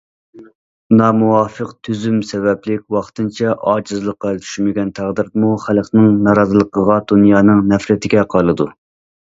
نامۇۋاپىق تۈزۈم سەۋەبلىك ۋاقتىنچە ئاجىزلىققا چۈشمىگەن تەقدىردىمۇ خەلقنىڭ نارازىلىقىغا، دۇنيانىڭ نەپرىتىگە قالىدۇ.